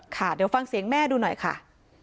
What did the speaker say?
ค่ะเดี๋ยวฟังเสียงแม่ดูหน่อยค่ะ